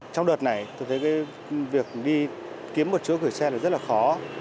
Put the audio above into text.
trong đợt này tôi thấy việc đi kiếm một chỗ khởi xe rất là khó